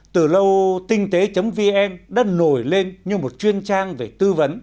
từ lâu tinhte vn đã nổi lên như một chuyên trang về tư vấn